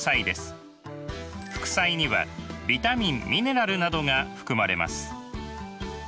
副菜にはビタミンミネラルなどが含まれます。